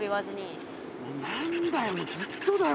もう何だよもうずっとだよ